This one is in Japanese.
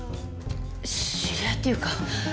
知り合いっていうか